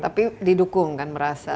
tapi didukung kan merasa